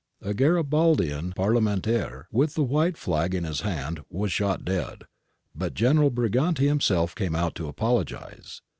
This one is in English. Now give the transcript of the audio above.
A Garibaldian parlementaire with the white flag in his hand was shot dead, but General Briganti himself came out to apologise.